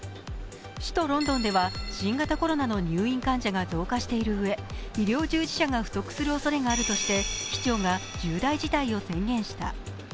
首都ロンドンでは新型コロナの入院患者が増加しているうえ、医療従事者が不足するおそれがあるとして市長が重大事態を宣言した。